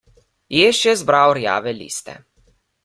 Jež je zbiral rjave liste.